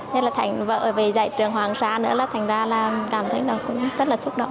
thế là thành vợ về dạy trường hoàng sa nữa là thành ra là cảm thấy rất là